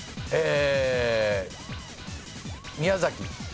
宮崎。